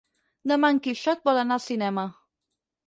Demà en Quixot vol anar al cinema.